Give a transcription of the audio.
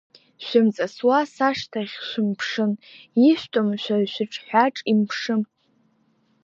Шәымҵасуа сашҭахь шәымԥшын, ишәтәым шәа шәыҽҳәаҿ имшым.